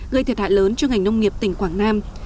gây thiệt hại lớn cho ngành nông nghiệp tỉnh quảng nam